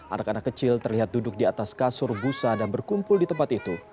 anak anak kecil terlihat duduk di atas kasur busa dan berkumpul di tempat itu